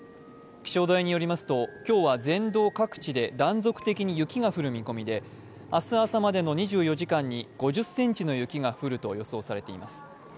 気象台によりますと、今日は全道各地で断続的に雪が降る見込みで明日朝までの２４時間に５０ｃｍの雪が降ると予想されています。